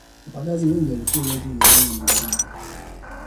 Wapagazi wengi walikuwa watu wa maeneo ya Magharibi